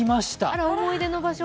あれ、思い出の場所？